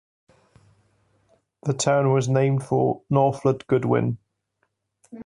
The town was named for Nauphlet Goodwin.